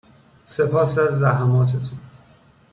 سپاس از زحماتتون